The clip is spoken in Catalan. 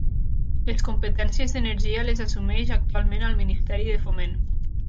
Les competències d'energia les assumeix actualment el Ministeri de Foment.